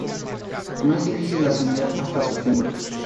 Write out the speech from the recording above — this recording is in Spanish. No es difícil ascender hasta su cumbre.